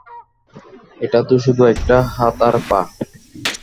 এটা তো শুধু একটা হাত আর পা।